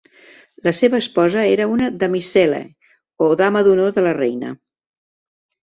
La seva esposa era una "damicellae" o dama d'honor de la reina.